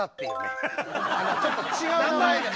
ちょっと違う。